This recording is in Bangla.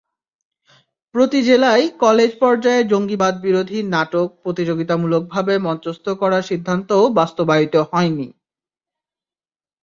প্রতি জেলায় কলেজ পর্যায়ে জঙ্গিবাদবিরোধী নাটক প্রতিযোগিতামূলকভাবে মঞ্চস্থ করার সিদ্ধান্তও বাস্তবায়িত হয়নি।